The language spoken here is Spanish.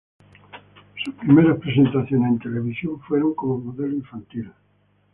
Sus primeras presentaciones en televisión fueron como modelo infantil.